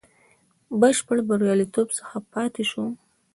بشپړ بریالیتوب څخه پاته شو.